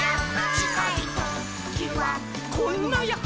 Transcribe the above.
「ちかいときはこんなヤッホ」